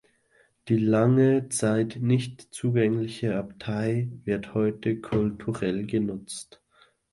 Die lange Zeit nicht zugängliche Abtei wird heute kulturell genutzt.